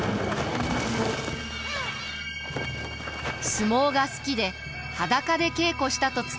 相撲が好きで裸で稽古したと伝わる信長。